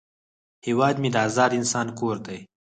هیواد مې د آزاد انسان کور دی